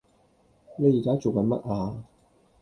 你宜家做緊乜呀？